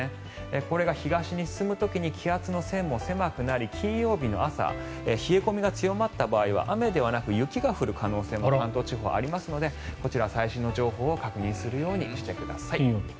これが東に進む時に気圧の線も狭くなり金曜日の朝冷え込みが強まった場合は雨ではなく雪で降る可能性が関東地方はありますのでこちら、最新の情報を確認するようにしてください。